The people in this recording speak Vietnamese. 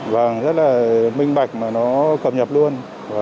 và rất là minh bạch mà nó cầm nhập luôn